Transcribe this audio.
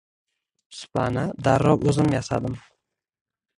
Supani darrov o‘zim yasadim.